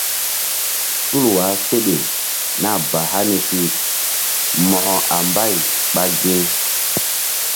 Tul wah seɗe nah ba hani pi mo̧ko a mbay ɓa ge?